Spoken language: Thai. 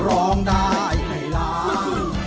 ร้องได้ให้ร้อง